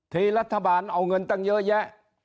ทีรัฐบาลเอาเงินตั้งเยอะแยะ